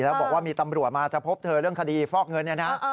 แล้วบอกว่ามีตำรวจมาจะพบเธอเรื่องคดีฟอกเงินเนี่ยนะ